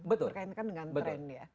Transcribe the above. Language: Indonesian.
berkaitkan dengan tren ya